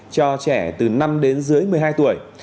cho trẻ từ năm đến dưới một mươi hai tuổi